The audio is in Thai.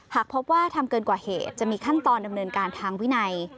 หากพบว่าทำเกินกว่าเหตุจะมีขั้นตอนดำเนินการทางวินัย